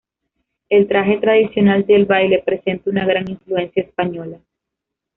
El traje tradicional del baile presenta una gran influencia española.